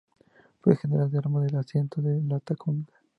Fue General de Armas del asiento de Latacunga.